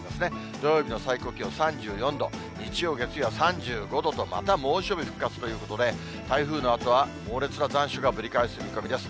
土曜日の最高気温３４度、日曜、月曜は３５度と、また猛暑日復活ということで、台風のあとは猛烈な残暑がぶり返す見込みです。